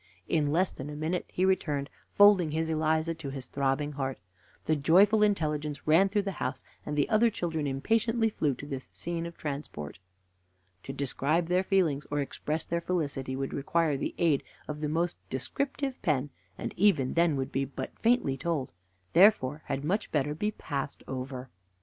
In less than a minute he returned folding his Eliza to his throbbing heart. The joyful intelligence ran through the house, and the other children impatiently flew to this scene of transport. To describe their feelings or express their felicity would require the aid of the most descriptive pen, and even then would be but faintly told, and therefore had much better be passed over.